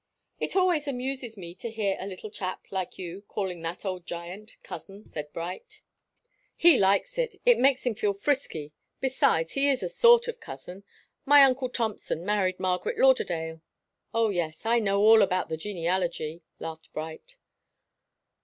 "It always amuses me to hear a little chap like you calling that old giant 'cousin,'" said Bright. "He likes it. It makes him feel frisky. Besides, he is a sort of cousin. My uncle Thompson married Margaret Lauderdale " "Oh, yes I know all about the genealogy," laughed Bright.